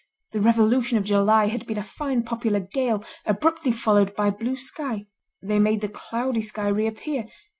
The Revolution of July had been a fine popular gale, abruptly followed by blue sky. They made the cloudy sky reappear.